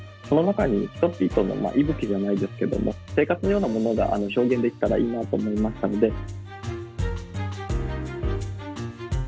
その中に人々の息吹じゃないですけども生活のようなものが表現できたらいいなと思いましたので。